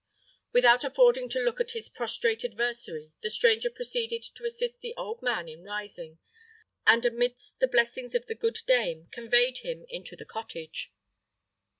Without affording a look to his prostrate adversary, the stranger proceeded to assist the old man in rising, and amidst the blessings of the good dame, conveyed him into the cottage.